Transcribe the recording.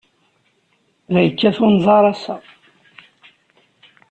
La yekkat unẓar ass-a.